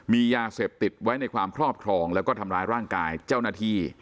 มียาเสพติดไว้ในความครอบครองแล้วก็ทำร้ายร่างกายเจ้าหน้าที่